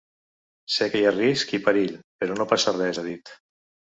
Sé que hi ha risc i perill, però no passa res, ha dit.